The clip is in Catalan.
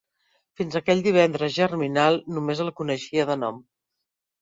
Fins aquell divendres germinal només el coneixia de nom.